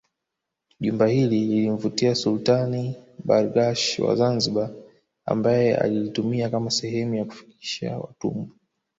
Jumba hili lilimvutia Sultani Barghash wa Zanzibar ambaye alilitumia kama sehemu ya kufikishia watumwa